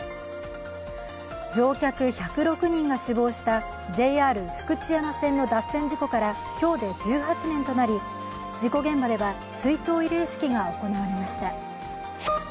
乗客１０６人が死亡したＪＲ福知山線の脱線事故から今日で１８年となり事故現場では、追悼慰霊式が行われました。